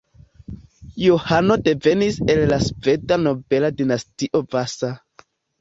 Johano devenis el la sveda nobela dinastio Vasa.